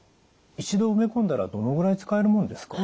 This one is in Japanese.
一度植え込んだらどのぐらい使えるものですか？